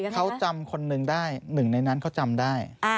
เขาจำคนนึงได้๑ในนั้นเขาจำได้